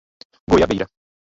Goiabeira